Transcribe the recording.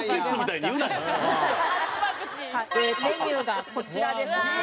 メニューがこちらですね。